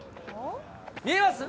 見えます？